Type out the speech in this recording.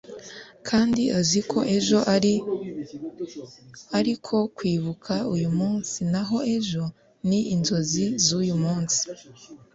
kandi azi ko ejo ari ariko kwibuka uyu munsi naho ejo ni inzozi z'uyu munsi